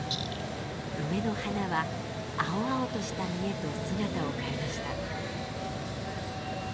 梅の花は青々とした実へと姿を変えました。